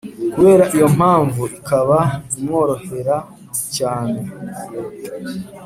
, kubera iyo mpamvu ikaba imworohera cyane.